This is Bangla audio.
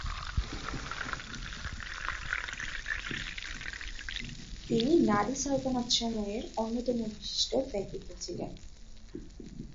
তিনি নারী সালতানাত সময়ের অন্যতম বিশিষ্ট ব্যক্তিত্ব ছিলেন।